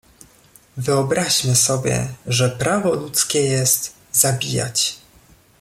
"Wyobraźmy sobie, że prawo ludzkie jest: zabijać!"